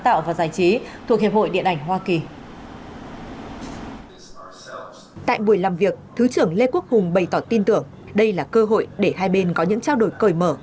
tại buổi làm việc thứ trưởng lê quốc hùng bày tỏ tin tưởng đây là cơ hội để hai bên có những trao đổi cởi mở